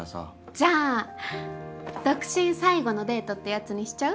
じゃあ独身最後のデートってやつにしちゃう？